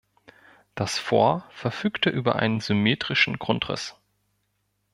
Das Fort verfügte über einen symmetrischen Grundriss.